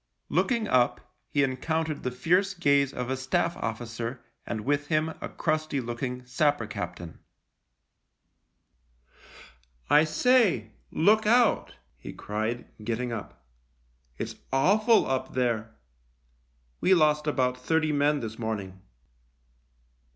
Looking up, he encountered the fierce gaze of a Staff officer and with him a crusty looking sapper captain. " I say, look out !" he cried, getting up. 26 THE LIEUTENANT "It's awful up there. We lost about thirty men this morning."